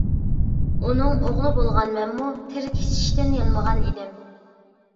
ئۇنىڭ ئوغلى بولغان مەنمۇ تىركىشىشتىن يانمىغان ئىدىم.